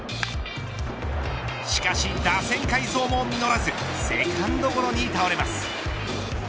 しかし打線改造も実らずセカンドゴロに倒れます。